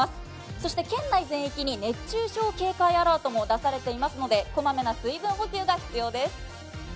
そして県内全域に熱中症警戒アラートも出されていますので、こまめな水分補給が必要です。